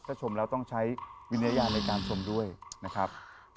ถ้าชมแล้วต้องใช้วิจารณญาณในการชมด้วยนะครับ